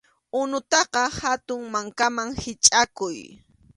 Unutaqa hatun mankaman hichʼaykuy.